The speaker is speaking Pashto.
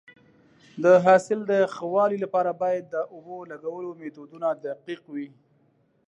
د حاصل د ښه والي لپاره باید د اوبو لګولو میتودونه دقیق وي.